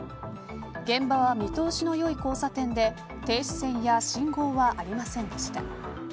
現場は見通しの良い交差点で停止線や信号はありませんでした。